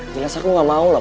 jelas aku nggak mau pa